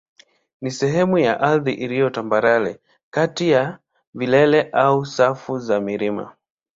ni sehemu ya ardhi iliyo tambarare kati ya vilele au safu za milima.